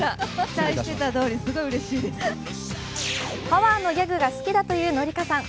パワーのギャグが好きだという紀香さん。